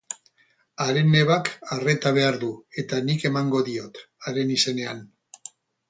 Haren nebak arreta behar du, eta nik emango diot, haren izenean.